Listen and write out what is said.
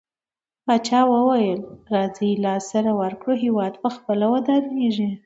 پاچاه وويل: راځٸ سره لاس ورکړو هيواد په خپله ودانيږي.